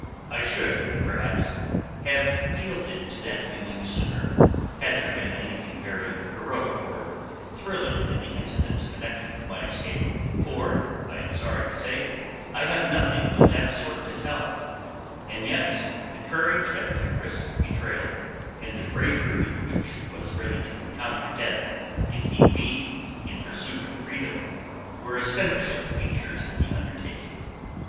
I should, perhaps, have yielded to that feeling sooner, had there been anything very heroic or thrilling in the incidents connected with my escape, for I am sorry to say I have nothing of that sort to tell; and yet the courage that could risk betrayal and the bravery which was ready to encounter death, if need be, in pursuit of freedom, were essential features in the undertaking.